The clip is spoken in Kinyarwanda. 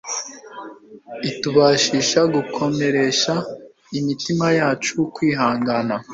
itubashisha gukomeresha imitima yacu kwihangana.